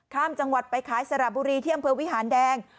ข้ามจังหวัดไปขายสระบุรีที่อำเภอวิหารแดง